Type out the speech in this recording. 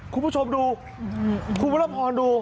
คุณผู้ชมดูคุณพระพรดู